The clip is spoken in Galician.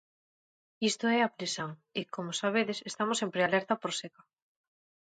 Isto é a Plisán, e, como sabedes, estamos en prealerta por seca.